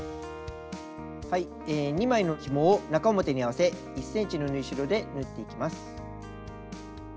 ２枚のひもを中表に合わせ１ｃｍの縫い代で縫っていきます。